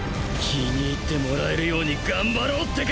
気に入ってもらえるように頑張ろうってか？